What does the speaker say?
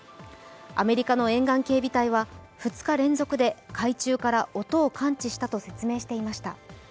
アメリカの沿岸警備隊は２日連続で海中から音を感知したと説明していました。